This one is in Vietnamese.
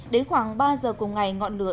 đến khoảng ba giờ cùng ngày ngọn lửa